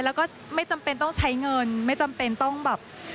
แล้วก็ไม่จำเป็นต้องใช้เงินไม่จำเป็นต้องแบบ